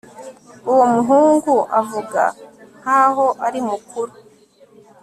Uwo muhungu avuga nkaho ari mukuru